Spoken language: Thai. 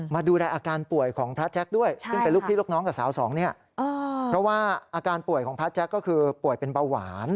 มาดูแลอาการป่วยของพระแจ๊คด้วยซึ่งเป็นลูกพี่ลูกน้องกับสาวสองเนี่ยเพราะว่าอาการป่วยของพระแจ๊คก็คือป่วยเป็นเบาหวาน